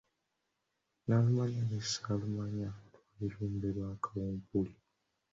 Nalumanya ne Ssaalumanya lwali lumbe lwa Kawumpuli.